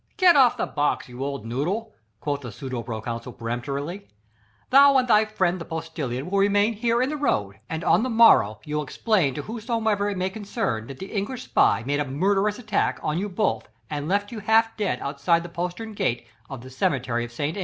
"Get off the box, you old noodle," quoth the pseudo proconsul peremptorily. "Thou and thy friend the postilion will remain here in the road, and on the morrow you'll explain to whomsoever it may concern that the English spy made a murderous attack on you both and left you half dead outside the postern gate of the cemetery of Ste.